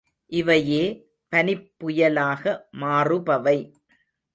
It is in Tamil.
இவையே பனிப்புயலாக மாறுபவை.